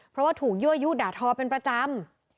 เพราะว่าถูกยั่วยุด่าทอเป็นประจำ